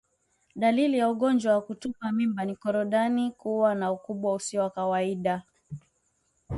Dalili ya ugonjwa wa kutupa mimba ni korodani kuwa na ukubwa usio wa kawaida